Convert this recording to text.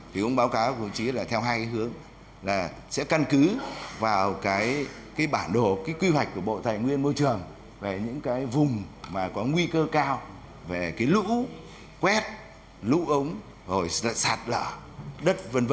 thì cũng báo cáo của bộ xây dựng là theo hai hướng là sẽ căn cứ vào cái bản đồ cái quy hoạch của bộ tài nguyên môi trường về những cái vùng mà có nguy cơ cao về cái lũ quét lũ ống rồi sạt lở đất v v